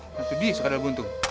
eh nanti dia sekadar buntung